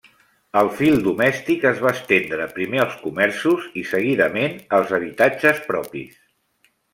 El fil domèstic es va estendre primer als comerços i seguidament als habitatges propis.